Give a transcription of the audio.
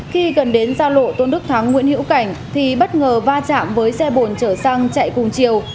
khi gần đến giao lộ tôn đức thắng nguyễn hữu cảnh thì bất ngờ va chạm với xe bồn chở xăng chạy cùng chiều